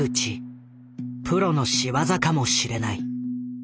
プロの仕業かもしれない。